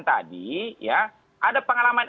tadi ya ada pengalaman